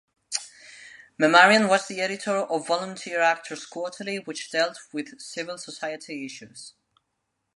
Memarian was the editor of Volunteer Actors Quarterly which dealt with civil society issues.